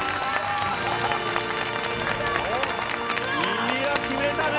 いやあ決めたね！